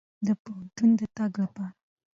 د پوهنتون د تګ لپاره.